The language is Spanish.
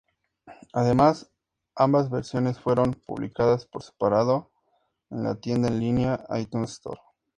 Además, ambas versiones fueron publicadas por separado en la tienda en línea iTunes Store.